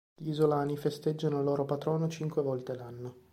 Gli isolani festeggiano il loro patrono cinque volte l'anno.